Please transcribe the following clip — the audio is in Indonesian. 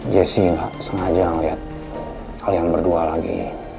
jessy gak sengaja ngeliat kalian berdua lagi